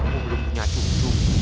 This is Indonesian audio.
aku belum punya cucu